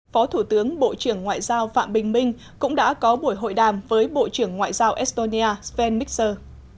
phó thủ tướng bộ trưởng ngoại giao phạm bình minh cũng đã có buổi hội đàm với bộ trưởng ngoại giao estonia sven mixer